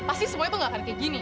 pasti semua itu gak akan kayak gini